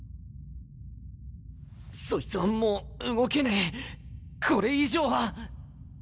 そいつはもう動けねえこれ以上は。